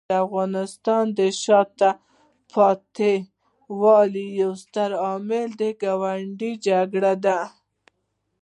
د افغانستان د شاته پاتې والي یو ستر عامل ګاونډي جګړې دي.